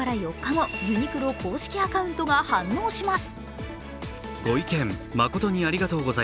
投稿から４日後、ユニクロ公式アカウントが反応します。